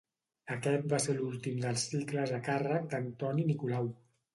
Aquest va ser l’últim dels cicles a càrrec d’Antoni Nicolau.